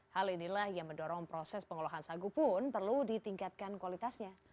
hal inilah yang mendorong proses pengolahan sagu pun perlu ditingkatkan kualitasnya